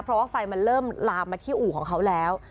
เพราะว่าไฟมันเริ่มลามมาที่อู่ของเขาแล้ว